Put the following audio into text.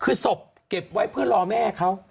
คือศพเก็บไว้เพื่อรอแม่เขา